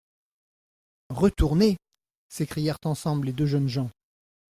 Retourner ! s'écrièrent ensemble les deux jeunes gens.